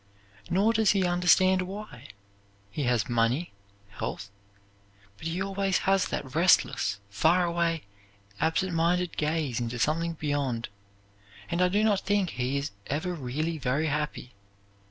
Nor does he understand why. He has money, health; but he always has that restless far away, absent minded gaze into something beyond, and I do not think he is ever really very happy.